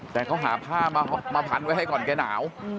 แต่เขาหาผ้ามาพันไว้ให้ก่อนแกหนาว